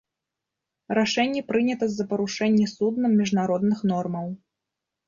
Рашэнне прынята з-за парушэнні суднам міжнародных нормаў.